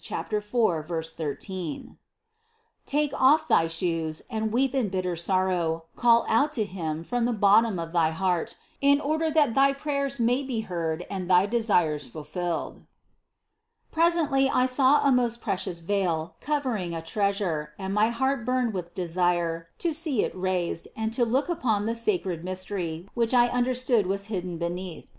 4, 13) ; take off thy shoes and weep in bit ter sorrow, call out to Him from the bottom of thy heart, in order that thy prayers may be heard and thy desires fulfilled." 5. Presently I saw a most precious veil covering a treasure and my heart burned with desire to see it raised and to look upon the sacred mystery which I understood was hidden beneath.